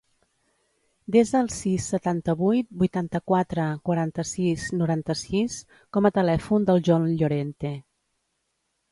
Desa el sis, setanta-vuit, vuitanta-quatre, quaranta-sis, noranta-sis com a telèfon del Jon Llorente.